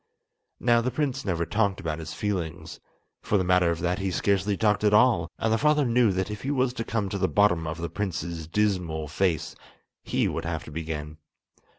Now the prince never talked about his feelings—for the matter of that he scarcely talked at all; and the father knew that if he was to come to the bottom of the prince's dismal face, he would have to begin.